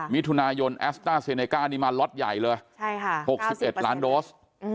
มิถุนายนแอสต้าเซเนก้านี่มาล็อตใหญ่เลย๖๑ล้านโดส